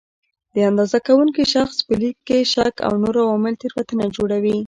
د اندازه کوونکي شخص په لید کې شک او نور عوامل تېروتنه جوړوي.